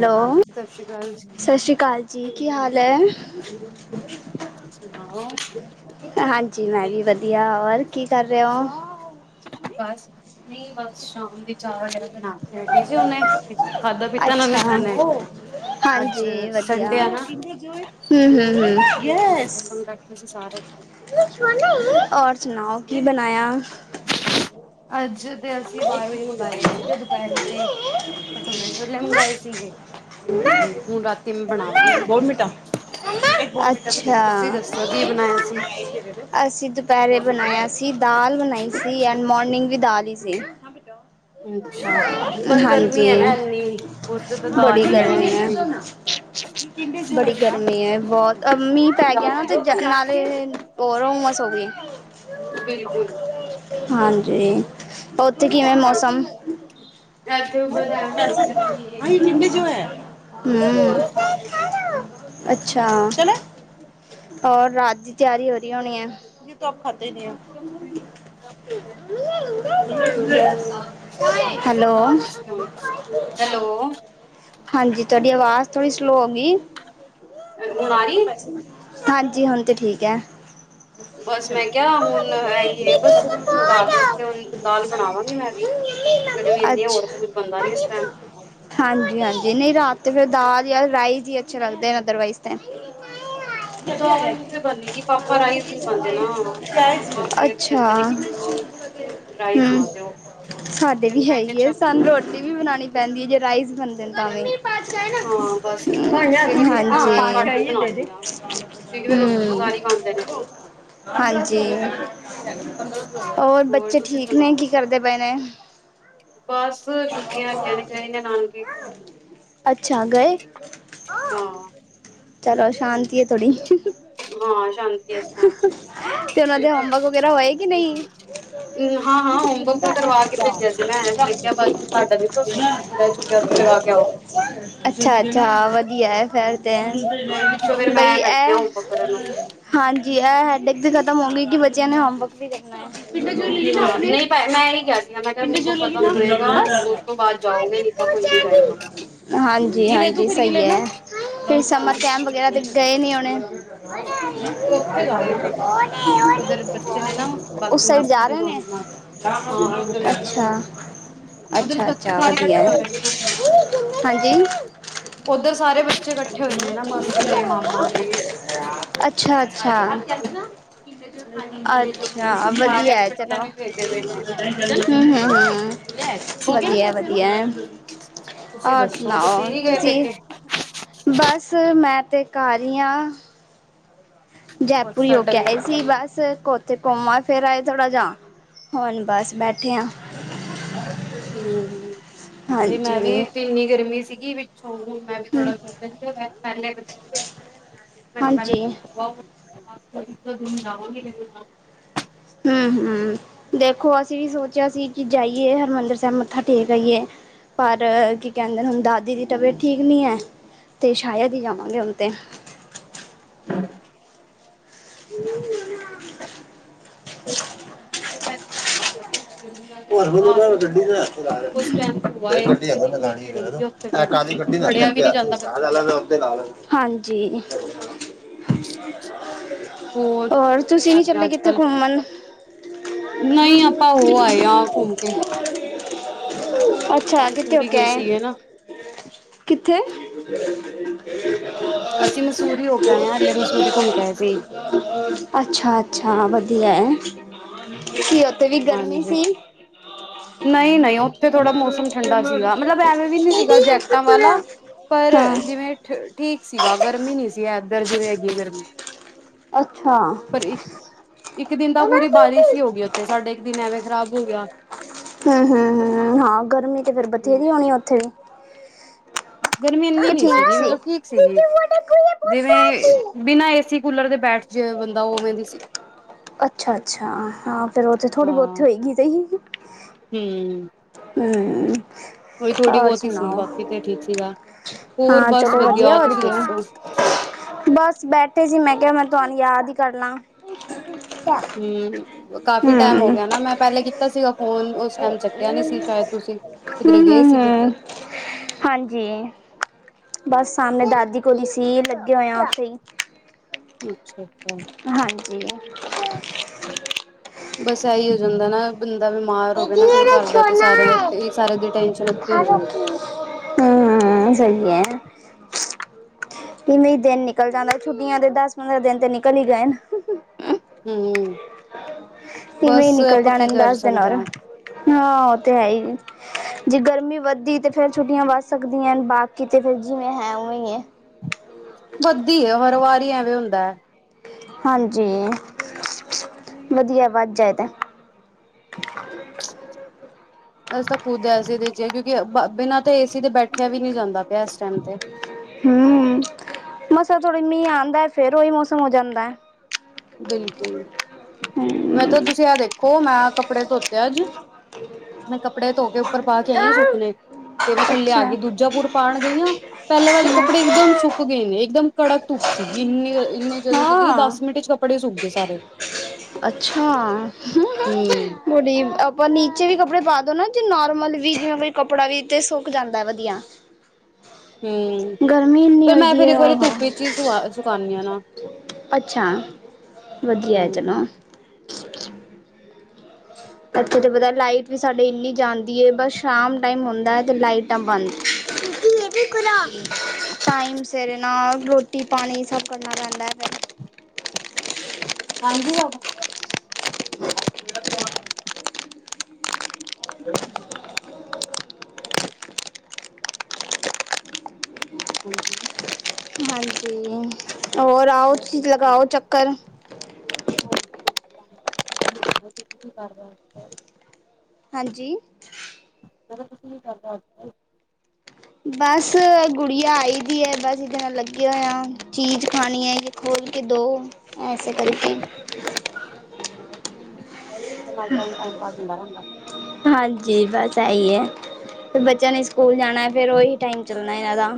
Hello, ਸਤਿ ਸ਼੍ਰੀ ਅਕਾਲ ਸਤਿ ਜੀ। ਸ੍ਰੀ ਅਕਾਲ ਜੀ, ਕੀ ਹਾਲ ਐ? ਸੁਣਾਓ ਹਾਂਜੀ। ਮੈਂ ਵੀ ਵਧੀਆ ਹੋਰ ਕੀ ਕਰ ਰਹੇ ਹੋ? ਚਤ ਮਨੀ ਨਈਂ ਬਸ। ਸ਼ਾਮ ਦੀ ਚਾਹ ਵਗੈਰਾ ਬਣਾ ਕੇ ਹਟੀ ਸੀ ਵੱਡੀ ਉਹਨੇ ਖਾਧਾ ਭਾਬੀ, ਪੀਤਾ ਇਹਨਾਂ ਨੇ ਅੱਛਾ ਸਭ ਨੇ ਅੱਜ ਹਾਂਜੀ ਵਧੀਆ ਸੰਡੇ ਆ ਨਾ ਹਂ ਹਂ ਤੁਮ ਬੈਠੇ ਸੀ ਸਾਰੇ ਹੋਰ ਸੁਣਾਓ। ਕੀ ਬਣਾਇਆ। ਅੱਜ ਤੇ ਅਸੀਂ ਬਾਹਰੋਂ ਹੀ ਮੰਗਵਾਏ ਸੀਗੇ ਦੁਪਹਿਰੇ ਤੇ ਭਟੂਰੇ ਛੋਲੇ ਮੰਗਵਾਏ ਸੀਗੇ ਤੇ ਹੁਣ ਰਾਤੀ ਮੈਂ ਬਣਾਵਾਂਗੀ [unintelligible] ਅੱਛਾ ਤੁਸੀਂ ਦੱਸੋ ਕੀ ਬਣਾਇਆ ਸੀ। ਪਹਿਲੇ ਬਣਾਇਆ ਸੀ। ਤ ਦਾਲ ਬਣਾਈ ਸੀ ਐਂਡ ਮੋਰਨਿੰਗ ਵੀ ਦਾਲ ਕਿ ਹਾਂ ਬੇਟਾ ਅੱਛਾ ਬਸ ਗਰਮੀ ਹੈ ਨਾ ਹਾਂਜੀ, ਇੰਨੀ ਉਸ ਤੇ ਤਾਂ ਦਾਲ ਬੜੀ ਹੀ ਹੈ ਗਰਮੀ ਐ। ਜ਼ਿਆਦਾ ਹੀ ਹੈਗੀ ਹੈ। ਬਿਲਕੁਲ [unintelligible] ਓਦ ਕੀ ਹੋਇਆ ਮੌਸਮ, ਇੱਥੇ ਬਸ ਐਵੇਂ ਹੀ ਹੈ ਗਰਮੀ ਹੈ ਅੱਜ ਜ਼ਿਆਦਾ ਜੋ ਹੈ ਹੈਲੋ ਹਮ ਅਛਾ ਚਲੋ। ਹੋਰ ਰਾਤ ਦੀ ਤਿਆਰੀ ਹੋ ਰਹੀ ਹੋਣੀ ਐ। ਤਖਦੇ ਨੇ ਆ [unintelligible] ਹੈਲੋ ਹਾਂਜੀ ਤੁਆਡੀ ਆਵਾਜ਼ ਥੋੜੀ ਸਲੋ [unintelligible] ਹੁਣ ਆ ਰਹੀ ਹਾਂਜੀ ਹੁਣ ਤੇ ਠੀਕ ਐ। ਬਸ ਮੈਂ ਕਿਹਾ ਹੁਣ ਇਹ ਈ ਬਸ ਰਾਤ ਵਾਸਤੇ ਹੁਣ। ਦਾਲ ਬਣਾਵਾਂਗੀ ਮੈਂ ਵੀ ਗਰਮੀ [unintelligible] ਇੰਨੀ ਹੋਰ ਅੱਛਾ, ਤਾਂ ਕੁੱਝ ਬਣਦਾ ਨੀ ਇਸ ਟਾਈਮ ਹਾਂਜੀ ਹਾਂਜੀ ਨੀਂ ਰਾਤ ਅਤੇ ਫਿਰ ਦਾਲ ਜਾਂ ਰਾਈਸ ਜੀ ਅੱਛੇ ਲੱਗਦੇ ਨੇ ਅਦਰਵਾਈਜ਼ ਤੇ ਦਾਲ ਤੇ ਬਣੇਗੀ ਪਾਪਾ ਰਾਈਸ ਨੀਂ ਖਾਂਦੇ ਨਾ, ਪਾਪਾ ਫੇਰ ਅੱਛਾ ਕਹਿੰਦੇ ਨੇ ਕਿ ਮੈਨੂੰ ਰਾਈਸ ਨਾ ਦਿਓ ਸਾਡੇ ਫਿਰ ਵੀ ਮੈਂ ਹੈਈ ਐ, ਕਿਹਾ ਚਲੋ ਸਾਨੂੰ ਰੋਟੀ ਵੀ ਬਣਾਣੀ ਪੈਂਦੀ ਐ ਜੇ ਰਾਈਸ ਬਣਦੇ ਨੇ ਤਾਂਾਵੇਂ ਹਾਂ ਬਸ ਹਜੀ ਫਿਰ ਇਸ ਵਾਸਤੇ ਮੈਂ ਘੱਟ ਹੀ ਬਣਾਉਂਦੀ ਹਾਂ ਕਿਉਂਕਿ ਫਿਰ ਰੋਟੀ ਤਾਂ ਹਮ ਸਾਰੇ ਖਾਂਦੇ ਨੇ ਹਾਂਜੀ ਹੋਰ ਬੱਚੇ ਤੁਸੀਂ ਠੀਕ ਕਿ ਨਹੀਂ ਸੁਣਾਓ ਕੀ ਕਰਦੇ ਪਏਨ ਬਸ ਛੁੱਟੀਆਂਗੀਆਂ ਨੇ ਗਏ ਨੇ ਨਾਨਕੇ ਅੱਛਾ ਗਏ ਹਾਂ ਚਲੋ ਸ਼ਾਂਤੀ ਹੈ ਥੋੜੀ ਹਾਂ ਸ਼ਾਂਤੀ ਇਸ ਟਾਈਮ ਤੇ ਉਹਨਾਂ ਦੇ ਹੋਮਵਰਕ ਵਗੈਰਾ ਹੋਏ ਕਿ ਨਹੀਂ ਹਾਂ ਹਾਂ ਹੋਮਵਰਕ ਤਾਂ ਕਰਵਾ ਕੇ ਭੇਜਿਆ ਸੀ ਮੈਂ ਮੈਂ ਕਿਹਾ ਬਸ ਤੁਹਾਡਾ ਵੀ ਭਰੋਸਾ ਤੁਸੀਂ ਪੂਰਾ ਚੁੱਕਿਆ ਉੱਥੇ ਲਗਾ ਕੇ ਆਓਗੇ ਅੱਛਾ ਅੱਛਾ ਫੈਰ ਤੇ ਉਹੀ ਪਿੱਛੋਂ ਫੇਰ ਮੈਂ ਬਈ ਬੈਠੀ ਆ ਹੋਮਵਰਕ ਕਰਨ ਨੂੰ ਹਾਂਜੀ ਇਹ ਹੈਡਕ ਵੀ ਖਤਮ ਹੋ ਗਈ ਕਿ ਬ ਏਹਨੇ ਹੋਮਵਰਕ ਵੀ ਕਰਨਾ ਹੈ ਪਡ ਹਾਂ ਨਹੀਂ ਪ ਮੈਂ ਪਿੰਡ ਇਹੀ ਕਿਹਾ ਸੀਗਾ ਮੈਂ ਕਿਹਾ ਹੋਮਵਰਕ ਖਤਮ ਹੋਏਗਾ ਉਸ ਤੋਂ ਬਾਅਦ ਜਾਓਗੇ ਨਹੀਂ ਤਾਂ ਕੋਈ ਨੀ ਜਾਏਗਾ ਹਾਂਜੀ ਹਾਂਜੀ ਸਹੀ ਆ [unintelligible] ਫਿਰ ਸਮਰ ਕੈਪ ਵਗੈਰਾ ਗਏ ਨੀ ਉਹਣੇ ਹਜੀ ਉੱਥੇ ਜਾ ਰਹੇ ਨੇ [inaudible] ਨੇ [inaudible] ਉਧਰ ਬੱਚੇ ਨੇ ਨਾ ਬਾਕੀ ਮਾਸੀ ਦੇ ਨੇ ਮਾਮਾ ਹਾਂ ਉਧਰ ਅੱਛਾ ਉਧਰ ਅੱਛਾ ਬੱਚੇ ਅੱਛਾ ਸਾਰੇ ਵਧੀਆ ਇਕੱਠੇ ਹੈ ਹੋਏ ਹਾਂਜੀ ਉਓਧਰ ਸਾਰੇ ਬੱਚੇ ਇਕੱਠੇ ਹੋਏ ਨੇ ਨਾ ਮਾਸੀ ਦੇ ਮਾਮਾ ਦੇ ਅੱਛਾ ਸਾਰੇ ਅੱਛਾ ਇਕੱਠੇ ਹੋਏ ਨੇ ਅੱਛਾ ਸਾਰਿਆਂ ਨੂੰ ਵਧੀਆ ਇਕੱਠਿਆਂ ਚਲੋ ਨੂੰ ਹੀ ਭੇਜਦੇ ਪਏ ਨੇ ਹ ਹ ਹ ਵਧੀਆ ਹਾਂਜੀ ਵਧੀਆ ਤੁਸੀਂ ਹੋਰ ਦੱਸੋ ਸੁਣਾਓ ਨੀ ਗਏ ਤੁਸੀਂ ਪੇਕੇ ਬਸ ਮੈਂ ਤੇ ਘਰ ਹੀ ਆ ਜੈਪੁਰ ਬਸ ਹੀ ਹੋ ਸਾਡਾ ਕੇ ਵੀ ਇਹਏ ਕੰਮ ਸੀ ਬਸ ਕੋ ਅਤੇ ਘੁੰਮਾਂ ਫਿਰ ਆਏ ਥੋੜ੍ਹਾ ਜਾਹਾ ਹੁਣ ਬਸ ਬੈਠੇ ਹਾਂ ਹਮ ਨਹੀਂ ਮੈਂ ਹਾਂਜੀ ਵੀਥ ਇੰਨੀ ਗਰਮੀ ਸੀਗੀ ਪਿੱਛੋਂ ਮੈਂ ਵੀ ਹਮ ਥੋੜ੍ਹਾ ਸੀਹਿ ਹਾਂਜੀ ਤੁਂ ਜਾਵੋਗੇ [unintelligible] ਹਮ ਹਮ ਦੇਖੋ ਅਸੀਂ ਵੀ ਸੋਚਿਆ ਸੀ ਕਿ ਜਾਈਏ ਹਰਿਮੰਦਰ ਸਾਹਿਬ ਮੱਥਾ ਠੇਕ ਆਈਏ ਪਰ ਕੀ ਕਹਿੰਦੇ ਹੁਣ ਦਾਦੀ ਦੀ ਤਬੀਅਤ ਠੀਕ ਨੀ ਹੈ ਤੇ ਸ਼ਾਇਦ ਹੀ ਜਾਵਾਂਗੇ ਹ ਤੇ [unintelligible] ਹਮ [unintelligible] ਦੀ ਹੋਰ ਗੱਥ ਲ ਸ਼ੁਰੂਆਤ ਵਿੱਚ ਗੱਾਲੀੱ ਸੀ ਨਾਥ ਲ ਉਸ ਟਾਈਮ ਹੋਆ ਏ, ਕਿਉਂਕਿ ਇੰਨੀ ਭੀੜ ਹੁੰਦੀ ਉੱਥੇ ਫੇਰ ਖੜਿਆ ਵੀ ਨੀ ਜਾਂਦਾ ਬੱਚਿਆਂ ਨਾਲ ਹ [unintelligible] [unintelligible] ਹੋਰ ਦੱਸੋ ਕੀ ਤੁਸੀਂ ਨੀ ਕਰ ਰਹੇ ਚੱਲੇ ਅੱਜ ਕਿੱਥੇ ਕੱਲ ਘੁੰਮਣ ਨਹੀਂ ਆਪਾਂ ਹੋ ਆਏ ਆਂ ਘੁੰਮ ਕੇ ਆਪਾਂ ਅੱਛਾ ਕਿਥੇ ਹੋ ਮਸੂਰੀ ਕੇ ਗਏ ਆਏ ਸੀਗੇ ਨਾ ਕਿੱਥੇ [inaudible] ਹ ਅਸੀਂ ਮਸੂਰੀ ਹੋ ਕੇ ਆਏ ਹ ਹਾਲਲੇ ਮਸੂਰੀ ਘੁੰਮ ਕੇ ਆਏ ਸੀ ਅੱਛਾ ਅੱਛਾ ਹੈ [inaudible] ਕੀ ਅਤੇ ਵੀ ਗਰਮੀ ਹਾਂਜੀ ਸੀ ਨਹੀਂ ਨਹੀਂ ਉੱਥੇ ਥੋੜ੍ਹਾ ਮੌਸਮ ਠੰਡਾ ਸੀਗਾ ਮਤਲਬ ਐਵੇਂ ਵੀ ਨਹੀਂ ਸੀਗਾ ਜੈਕਟਾਂ ਵਾਲਾ, ਪਰ ਹਾਂ ਜਿਵੇਂ ਠੀਕ ਸੀਗਾ ਗਰਮੀ ਨਹੀਂ ਸੀ ਇਧਰ ਜਿਵੇਂ ਹੈਗੀ ਗਰਮੀ ਅੱਛਾ ਪਰ ਇੱਕ ਇੱਕ ਦਿਨ ਤਾਂ ਪੂਰੀ ਬਾਰਿਸ਼ ਹੀ ਹੋ ਗਈੇ ਤੇ ਸਾਡੇ ਇੱਕ ਦਿਨ ਐਵੇਂ ਖਰਾਬ ਹਮ, ਹਮ, ਹਮ ਹਾਂ ਗਰਮੀ ਤੇ ਫਿਰ ਬਥੇਰੀ ਹੋਣੀ ਉੱਥੇ ਵੀ ਗਰਮੀ ਇਨੀ ਕਿ ਨੀ ਠੀਕ ਸੀਗੀ ਸੀ ਮਤਲਬ ਠੀਕ ਸੀਗੀ ਜਿਵੇਂ ਬਿਨਾਂ ਏਸੀ, ਕੂਲਰ ਦੇ ਬੈਠ ਜੇ ਬੰਦਾ ਉਵੇਂ ਦੀ ਸੀ [inaudible] ਅੱਛਾ -ਅੱਛਾ, ਹਾਂ ਫਿਰ ਉਹ ਤੇ ਥੋੜੀ ਬਹੁਤ ਹਾਂ ਹੋਏਗੀ [inaudible] ਤੇ ਹੂੰ ਹੋਈ ਥੋੜ੍ਹੀ ਬਹੁਤੀ ਹੀ ਸੀ, ਬਾਕੀ ਤੇ ਠੀਕ ਸੀਗਾ, ਹੋਰ ਹਾਂ ਬਸ ਚਲੋ ਵਧੀਆ ਹੋਰ ਤੁਸੀਂ ਦੱਸੋ ਕੀ ਬਸ ਬੈਠੇ ਸੀ ਮੈਂ ਕਿਹਾ ਮੈਂ ਤੁਹਾਨੂੰ ਯਾਦ ਹੀ ਕਰਨਾ ਹੂੰ ਕਾਫ਼ੀ ਹਮ ਟਾਈਮ ਹੋ ਹਮ ਗਿਆ ਨਾ ਮੈਂ ਪਹਿਲੇ ਕੀਤਾ ਸੀਗਾ ਫ਼ੋਨ, ਉਸ ਟਾਈਮ ਚੱਕਿਆ ਨੀ ਸੀ ਸ਼ਾਇਦ ਤੁਸੀਂ ਕਿੱਧਰੇ ਹਮ ਗਏ ਹਮ ਸੀਗੇ ਹਾਂਜੀ ਜੀ ਲੱਗੇ ਹੋਏ ਉੱਥੇ ਹੀ ਅੱਛਾ ਹਾਂਜੀ [inaudible] ਬਸ ਇਹੀ ਹੋ ਜਾਂਦਾ ਨਾ [inaudible] [unintelligible] ਹੋਵੇ ਨਾ ਕੋਈ ਘਰ ਦਾ ਤੇ ਸਾਰਿਆਂ ਤੇ ਸਾਰੇ ਦੀ ਟੈਨਸ਼ਨ ਉੱਥੇ ਹੁੰਦੀ ਹੈ ਹੂੰ-ਹੂੰ-ਹੂੰ ਸਹੀ ਏ ਕਿਵੇਂ ਦਿਨ ਨਿਕਲ ਜਾਂਦਾ ਛੁੱਟੀਆਂ ਦੇ, ਦਸ ਪੰਦਰਾਂ ਦਿਨ ਤੇ ਨਿਕਲ ਹੀ ਗਏ ਨੇ ਹੂੰ, ਇਵੇਂ ਹੀ ਬਸ ਨਿਕਲ ਆਪਾਂ ਜਾਣੇ ਕੀ ਕਰ ਸਕਦੇ [inaudible] [unintelligible] ਹਾਂ ਉਹ ਤੇ ਹੈ ਹੀ ਜੇ ਗਰਮੀ ਵੱਧਦੀ ਤੇ ਫੇਰ ਛੁੱਟੀਆਂ ਵੱਧ ਸਕਦੀਆਂ, ਬਾਕੀ ਤੇ ਫਿਰ ਜਿਵੇਂ ਹੈ ਉਵੇਂ ਵਧਦੀ ਹੈ, ਹਰ ਵਾਰੀ ਐਵੇਂ ਹੁੰਦਾ ਹੈ ਹਾਂਜੀ ਵਧੀਆ ਵੱਧ ਜਾਏ ਤਾ [inaudible] ਅਸੀ ਤਾਂ ਖੁਦ ਏ ਸੀ ਦੇ ਵਿਚ, ਕਿਉਂਕਿ ਬਿਨਾਂ ਤੇ ਏਸੀ ਤੇ ਬੈਠਿਆ ਵੀ ਨਹੀਂ ਜਾਂਦਾ ਪਿਆ ਇਸ ਟਾਈਮ ਤੇ ਹੂੰ, ਮਸਾ ਥੋੜੀ ਮੀਂਹ ਆਉਂਦਾ ਫੇਰ, ਉਹੀ ਮੌਸਮ ਹੋ ਜਾਂਦਾ ਹੈ ਬਿਲਕੁਲ ਮੈਂ ਤਾਂ ਤੁਸੀਂ ਆ ਦੇਖ ਦੇਖੋ, ਮੈਂ ਕੱਪੜੇ ਧੋਤੇ ਅੱਜ, ਮੈਂ ਕੱਪੜੇ ਧੋ ਕੇ ਉੱਪਰ ਪਾ ਕੇ ਆਈ ਆਂ ਸੁੱਕਣੇੇ ਤੇ ਮੈਂ ਥੱਲੇ ਆ ਅੱਛਾ ਗਈ। ਦੂਜਾ ਪੂਰ ਪਾਉਣ ਗਈ ਆਂ, ਪਹਿਲੇ ਵਾਲੇ ਕੱਪੜੇ ਇਕਦਮ ਸੁੱਕ ਗਏ ਨੇ। ਇਕਦਮ ਕੜਕ ਧੁੱਪ ਸੀਗੀ ਇੰਨੀ ਇੰਨੇ ਜਦੋਂ ਸੀਗੀ ਹਾਂ ਦਸ ਮਿੰਟ ਚ ਸੁੱਕ ਗਏ ਸਾਰੇ। ਅੱਛਾ, ਹਮ ਮੁੜੀ ਆਪਾਂ ਨੀਚੇ ਵੀ ਕੱਪੜੇ ਪਾ ਨਾ ਜੋ ਨੋਰਮਲ ਵੀ ਜਿਵੇਂ ਕੋਈ ਕੱਪੜਾ ਵੀ ਤੇ ਸੁੱਕ ਜਾਂਦਾ ਵਧੀਆ। ਹੂੰ ਗਰਮੀ ਇੰਨੀ ਫਿਰ ਹੋਈ ਮੈਂ ਦੀ ਫੇਰ ਹੈ ਇੱਕ ਵਾਰੀ ਉਹ ਧੁੱਪੀ ਚ ਹੀ ਸੁ ਸੁਕਾਉਂਦੀ ਹਾਂ ਨਾ। ਅੱਛਾ, ਵਧੀਆ ਐ ਹਮ ਚਲੋ। ਇੱਥੇ ਤੇ ਪਤਾ ਲਾਈਟ ਵੀ ਸਾਡੇ ਇੰਨੀ ਜਾਂਦੀ ਐ। ਬਸ ਸ਼ਾਮ ਟਾਈਮ ਹੁੰਦਾ ਐ ਤੇ ਲਾਈਟਾਂ ਬੰਦ। ਟਾਈਮ ਸਿਰ ਨਾ ਰੋਟੀ ਪਾਣੀ ਸਭ ਕਰਨਾ ਪੈਂਦਾ ਐ ਫਿਰ। ਹਾਂਜੀ ਵ [unintelligible] ਹ ਹਾਂਜੀ। ਹਾਂਜੀ। ਹੋਰ ਆਓ ਤੁਸੀ ਤੁਸੀਂ ਸੁਣਾਓ ਲਗਾਓ ਚੱਕਰ। ਤੁਸੀਂ ਕੀ ਕਰਵਾ [unintelligible] ਹਾਂਜੀ। [inaudible] ਬਸ ਗੁੜੀਆ ਆਈ ਦੀ ਐ। ਬਸ ਇਹਦੇ ਨਾਲ ਲੱਗੇ ਹੋਏ ਹਾਂ। ਚੀਜ਼ ਖਾਣੀ ਐ ਖੋਲ ਕੇ ਦਉ। ਇਸਸੇ ਕਰਕੇ ਕੱਲ ਬੱਚਿਆਂ ਨਾਲ ਤਾਂ ਹੀ ਟਾਈਮ ਪਾਸ ਹੁੰਦਾ ਰਹਿੰਦਾ ਹਾਂਜੀ ਬਸ ਇਹੀ ਐ। ਫਿਰ ਬੱਚਿਆਂ ਨੇ ਸਕੂਲ ਜਾਣਾ ਫਿਰ ਓਹੀ ਟਾਈਮ ਚੱਲਣਾ ਇਹਨਾਂ ਦਾ।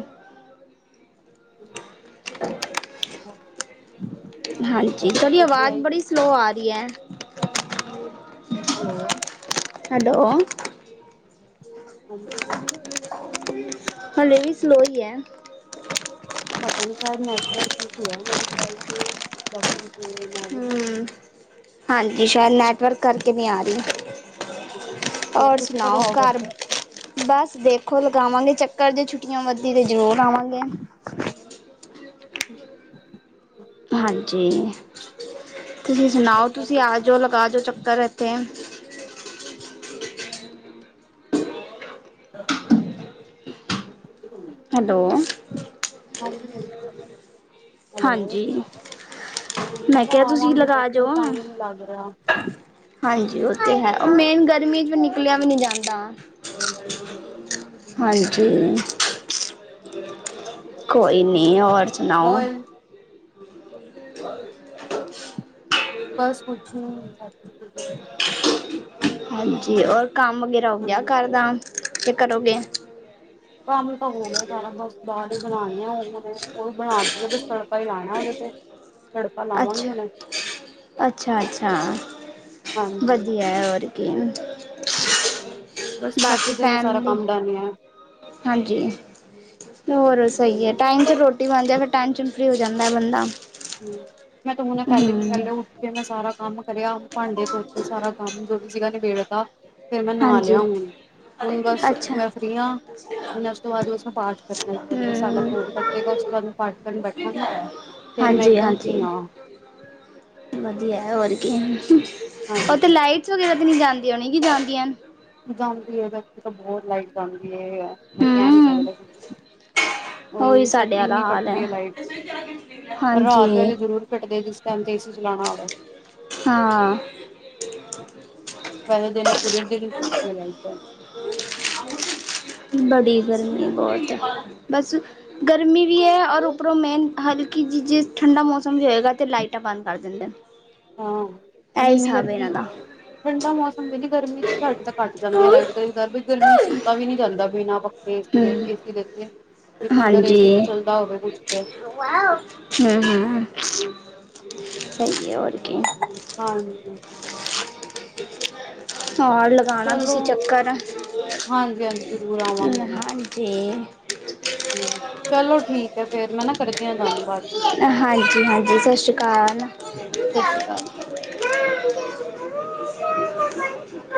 ਹ ਹ ਹਾਂ। ਹਾਂਜੀ ਤੁਹਾਡੀ ਆਵਾਜ਼ ਬੜੀ ਸਲੋ ਆ ਰਹੀ ਐ। ਹੈਲੋ। ਹਾਂਜੀ। ਹਾਲੇ ਵੀ ਸਲੋ ਈ ਐ। ਪਤਾ ਨੀ ਸ਼ਾਇਦ ਨੈਟਵਰਕ ਇਸ਼ੂ ਐ। ਮੇਰੇ ਕਰਕੇ [unintelligible] ਹੂੰ, ਹਾਂਜੀ ਸ਼ਾਇਦ ਨੈਟਵਰਕ ਕਰਕੇ ਨਹੀਂ ਆ ਰਹੀ। ਸੀ ਹੋਰ ਤੁਸੀਂ ਸੁਣਾਓ ਕਦੋਂ ਆਓਗੇ ਘਰ ਇੱਥੇ ਬਸ ਦੇਖੋ ਲਗਾਵਾਂਗੇ ਚ ਕਰਦੇ ਛੁੱਟੀਆਂ ਵੱਧਦੀ ਤੇ ਜ਼ਰੂਰ ਗਵਾਂ ਦੇ [unintelligible] ਹ ਹਮ ਹਾਂਜੀ ਕਿ ਤੁਸੀਂ ਸੁਣਾਓ ਤੁਸੀਂ ਆ ਜਾਓ ਲਗਾ ਜਾਓ ਚੱਕਰ ਇੱਥੇ [unintelligible] ਹੈਲੋ ਹ ਹੈਲੋ ਹਾਂਜੀ ਮੈਂ ਕਿਹਾ ਤੁਸੀਂ ਆਵਾਂਗੇ ਲਗਾ ਬੱਸ ਜਾਓ ਟਾਈਮ ਨਹੀਂ ਲਗ ਰਿਹਾ ਹਾਂਜੀ ਉਹ ਹੈ ਉਹ ਮੇਨ ਗਰਮੀ ਚ ਵੀ ਨਿਕਲਿਆ ਵੀ ਨਹੀਂ ਜਾਂਦਾ ਵ ਹਾਂਜੀ [unintelligible] ਕੋਈ ਨੀ ਹੋਰ ਸੁਣਾਓ ਾਲ [unintelligible] ਬਸ ਕੁਛ ਹਾਂਜੀ ਔਰ ਕੰਮ ਵਗੈਰਾ ਹੋ ਗਿਆ ਹ ਘਰ ਦਾ ਕਿ ਕਰੋਗੇ ਕੰਮ ਤਾਂ ਹੋ ਗਿਆ ਸਾਰਾ ਬਸ ਦਾਲ ਹੀ ਬਣਾਉਣੀ ਆ ਉਹਨੇ ਉਹ ਵੀ ਬਣਾ ਦੀਤੀ ਆ ਬਸ ਤੜਕਾ ਹੀ ਲਾਣਾ ਉਹਦੇ ਤੇ ਲਾਵਾਂਗੇ ਹੁਣੇ ਅੱਛਾ ਅੱਛਾ ਅੱਛਾ ਵਧੀਆ ਹੈ ਕ ਹਮ ਹਮ ਬਸ ਬਾਕੀ ਤੇ ਸਾਰਾ ਫੈਮਲੀ ਕੰਮ ਡਨ ਹੈ ਹਾਂਜੀ ਹੋਰ ਜੀ ਸਹੀ ਹੈ ਟਾਈਮ ਚ ਰੋਟੀ ਰੋਟੀ ਬਣ ਜਾ ਫਿਰ ਟੈਨਸ਼ਨ ਫਰੀ ਹੋ ਜਾਂਦਾ ਬੰਦਾ ਹਮ ਮੈਂ ਤੂੰ ਹੁਣੇ ਪਹਿਲੇ ਹਮ ਪਹਿਲੇ ਉੱਠ ਕੇ ਮੈਂ ਸਾਰਾ ਕੰਮ ਕਰਿਆ ਭਾਂਡੇ ਤੋ ਕੇ ਸਾਰਾ ਕੰਮ ਜੋ ਵੀ ਸੀਗਾ ਨਿਬੇੜਦਾ ਫਿਰ ਮੈਂ ਨਾ ਹਾਂਜੀ ਲਿਆ ਹੁਣ ਹੁਣ ਬਸ ਅੱਛਾ ਮੈਂ ਫ੍ਰਰੀ ਹਾਂ ਹੁਣ ਉਸ ਤੋਂ ਬਾਅਦ ਬਸ ਪਾਠ ਕਰਨਾ ਇੱਕ ਵਾਰੀ ਮੈਂ ਸਾਡਾ ਹਮ ਫੋਨ ਕੱਟੇਗਾ ਉਸ ਤੋਂ ਬਾਅਦ ਮੈਂ ਪਾਠ ਕਰਨ ਬੈਠਾਂਗੀ ਫੇਰ ਮੈਂ ਹਾਂਜੀ ਇੱਕਦਮ ਹਾਂਜੀ ਫ੍ਰਰੀ ਹਾਂ ਵਧੀਆ ਹੋਰ ਕੀ ਉਹ ਤੇੇ ਹਾਂਜੀ ਲਾਈਟਸ ਵਗੈਰਾ ਤੇ ਨਹੀਂ ਜਾਂਦੇ ਉਹ ਨਹੀਂ ਕੀ ਜਾਣਦੀਆਂ ਹਨ ਜਾਂਦੀ ਉਹਦੇ ਤਾਂ ਬਹੁਤ ਲਾਈਟ ਜਾਂਦੀ ਹੈ ਮੈਂ ਕਹਿ ਨੀ ਹਮ ਸਕਦੀ ਉਹ ਉਹੀ ਹੀ ਸਾਡੇ ਕਦੀ ਵਾਲਾ ਇਨੀ ਹਾਲ ਕੱਟਦੀ ਹੈ ਲਾਈਟ ਹਾਂਜੀ ਰਾਤ ਵੇਲੇ ਜ਼ਰੂਰ ਕੱਟਦੇ ਆ ਜਿਸ ਟਾਈਮ ਤੇ ਏਸੀ ਚਲਾਣਾ ਹੋਵੇ ਹਾਂ ਫੈਦੇ ਨੇ ਪੁਰੀ ਦੇ ਲਦਾ [inaudible] ਬੜੀ ਗਰਮੀ ਬਹੁਤ ਬਸ ਗਰਮੀ ਵੀ ਐ ਔਰ ਕੱਪਰੋ ਮੇਨ ਹਲਕੀ ਜੀ ਜਿਸ ਠੰਡਾ ਮੌਸਮ ਵੀ ਹੋਏਗਾ ਤੇ ਲਾਈਟਾਂ ਬੰਦ ਕਰ ਦਿੰਦੇ। ਹਾਂ ਇਹ ਇੰਨੀ ਹਿਸਾਬ ਹੈ ਗਰਮੀ ਇਹਨਾਂ ਦਾ ਠੰਡਾ ਮੌਸਮ ਕਹਿੰਦੀ ਗਰਮੀ ਚ ਸਾਡੀੇ ਤਾਂ ਘੱਟ ਜਾਂਦੀ ਆ ਲਾਈਟ ਕਾਰ ਬ ਗਰਮੀ ਚ ਸੁੱਤਾ ਵੀ ਨੀ ਜਾਂਦਾ ਬਿਨਾਂ ਪੱਖੇ ਏਸੀ ਦੇ ਹਮ ਏਸੀ ਦੇ ਅਗੇ ਹਾਂਜੀ ਹਮ ਹਂ। ਸਹੀ ਐ ਹੋਰ ਕੀ। ਹਾਂਜੀ। ਹੋਰ ਲਗਾਣਾ ਚਲੋ ਤੁਸੀਂ ਚੱਕਰ ਹਾਂਜੀ ਹਾਂਜੀ [unintelligible] ਹਾਂਜੀ। ਹਂ, ਚਲੋ ਠੀਕ ਐ ਫੇਰ ਮੈਂ ਨਾ ਕਰਦੀਆਂ ਤੁਆਨੂੰ ਬਾਅਦ ਚ ਹਾਂਜੀ ਹਾਂਜੀ ਸਤਿ ਸ਼੍ਰੀ ਸਤਿ ਸ੍ਰੀ ਅਕਾਲ ਜੀ। ਅਕਾਲ [unintelligible]